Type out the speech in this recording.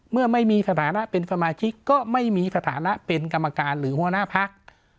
เมื่อไม่มีสถานะเป็นสมาชิกก็ไม่มีสถานะเป็นกรรมการหรือหัวหน้าพัก